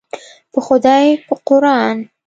په خدای په قوران.